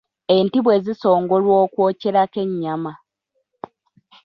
Enti bwe zisongolwa okwokyerako ennyama.